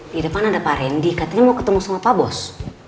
di depan ada pak randy katanya mau ketemu sama pak bos